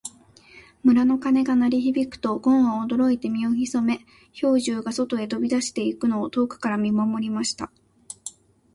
村の鐘が鳴り響くと、ごんは驚いて身を潜め、兵十が外へ飛び出していくのを遠くから見守りました。